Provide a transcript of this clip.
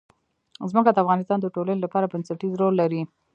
ځمکه د افغانستان د ټولنې لپاره بنسټيز رول لري.